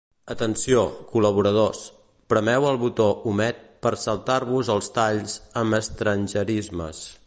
Atenció, col·laboradors: premeu el botó 'omet' per saltar-vos els talls amb estrangerismes.